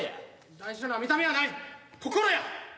大事なのは見た目やない心や！